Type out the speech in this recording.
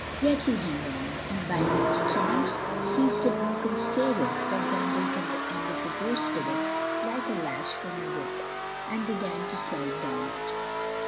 Yet he hung on, and, biding his chance, seized a broken stay rope that dangled from the end of the bowsprit like a lash from a whip, and began to slide down it.